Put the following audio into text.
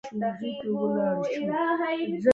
اوږده ې سړې پښې ښځې نرې لېونې